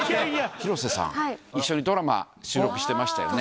広瀬さん、一緒にドラマ、収録してましたよね。